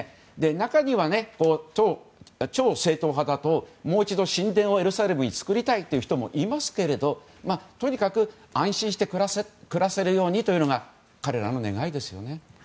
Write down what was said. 中には、超正統派だともう一度、神殿をエルサレムに作りたいという人もいますけどとにかく、安心して暮らせるようにというのが彼らの願いですよね。